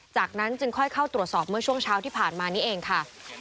จากนั้นจึงค่อยเข้าตรวจสอบเมื่อช่วงเช้าที่ผ่านมานี้เองค่ะ